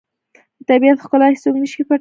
د طبیعت ښکلا هیڅوک نه شي پټولی.